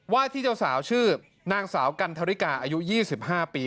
ที่เจ้าสาวชื่อนางสาวกันทริกาอายุ๒๕ปี